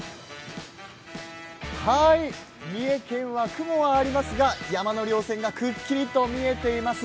三重県は雲がありますが山のりょう線がくっきりと見えています。